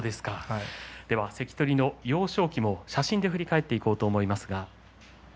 関取の幼少期を写真で振り返っていこうと思います。